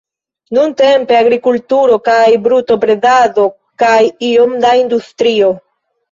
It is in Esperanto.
Nuntempe agrikulturo kaj brutobredado kaj iom da industrio.